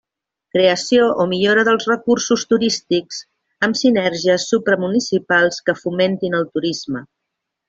Creació o millora dels recursos turístics amb sinergies supramunicipals que fomentin el turisme.